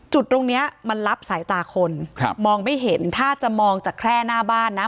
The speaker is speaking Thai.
ตรงเนี้ยมันรับสายตาคนครับมองไม่เห็นถ้าจะมองจากแค่หน้าบ้านนะ